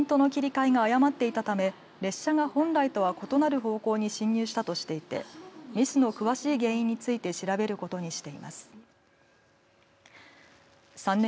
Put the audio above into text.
東京メトロはポイントの切り替えが誤っていたため列車が本来とは異なる方向に進入したとしていてミスの詳しい原因について調べることにしています。